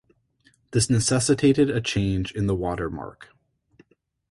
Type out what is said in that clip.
This necessitated a change in the watermark.